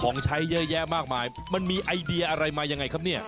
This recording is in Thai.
ของใช้เยอะแยะมากมายมันมีไอเดียอะไรมายังไงครับเนี่ย